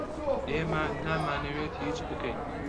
ئێمە نامانەوێت هیچ بکەین.